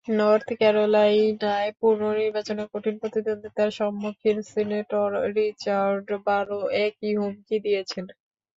North ক্যারোলাইনায় পুনর্নির্বাচনে কঠিন প্রতিদ্বন্দ্বিতার সম্মুখীন সিনেটর রিচার্ড বারও একই হুমকি দিয়েছেন।